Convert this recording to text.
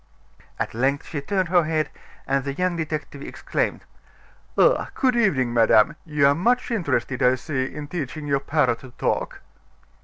At length she turned her head, and the young detective exclaimed: "Ah! good evening, madame; you are much interested, I see, in teaching your parrot to talk."